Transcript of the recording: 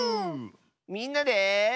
みんなで。